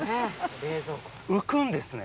浮くんですね？